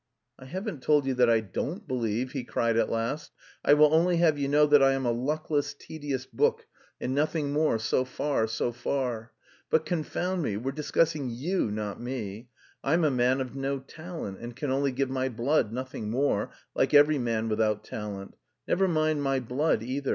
"I haven't told you that I don't believe," he cried at last. "I will only have you know that I am a luckless, tedious book, and nothing more so far, so far.... But confound me! We're discussing you not me.... I'm a man of no talent, and can only give my blood, nothing more, like every man without talent; never mind my blood either!